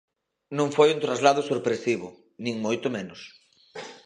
Non foi un traslado sorpresivo, nin moito menos.